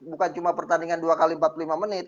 bukan cuma pertandingan dua x empat puluh lima menit